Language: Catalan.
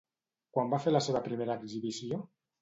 Quan va fer la seva primera exhibició?